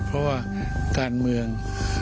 เพราะว่าการเมือง